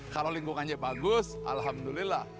kalau lingkungannya bagus alhamdulillah